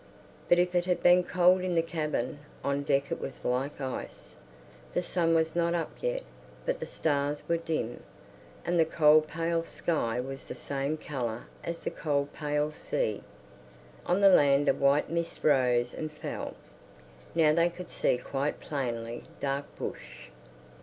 But if it had been cold in the cabin, on deck it was like ice. The sun was not up yet, but the stars were dim, and the cold pale sky was the same colour as the cold pale sea. On the land a white mist rose and fell. Now they could see quite plainly dark bush.